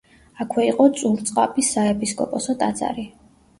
აქვე იყო წურწყაბის საეპისკოპოსო ტაძარი.